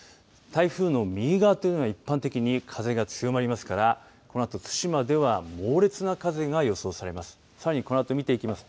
台風の右側というのが一般的に風が強まりますからこのあと対馬では猛烈な風が予想されます。